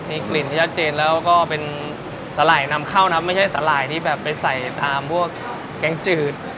มีกลิ่นที่ชัดเจนแล้วก็เป็นสาหร่ายนำเข้านะไม่ใช่สาหร่ายที่แบบไปใส่ตามพวกแกงจืด